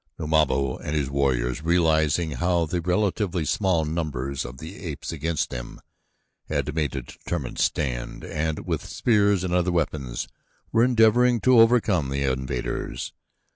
Numabo and his warriors, realizing now the relatively small numbers of the apes against them, had made a determined stand and with spears and other weapons were endeavoring to overcome the invaders.